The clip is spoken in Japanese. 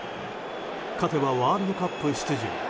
勝てばワールドカップ出場。